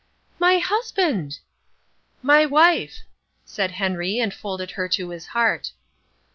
"My husband!" "My wife," said Henry, and folded her to his heart.